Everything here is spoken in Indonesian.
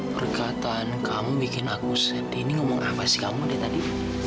perkataan kamu bikin aku sedih ini ngomong apa sih kamu tadi